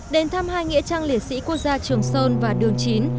đến thăm hai nghĩa trang liệt sĩ quốc gia trường sơn và đường chín